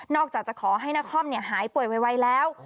นอกจากจะขอให้นักคล่อมหายป่วยไวแล้ว